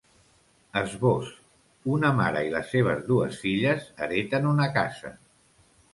Esbós: Una mare i les seves dues filles hereten una casa.